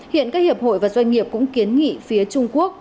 hiện các hiệp hội và doanh nghiệp cũng kiến nghị phía trung quốc